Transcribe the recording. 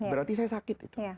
berarti saya sakit itu